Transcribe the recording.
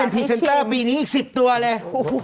ปีนี้อีก๑๐ตัวเลย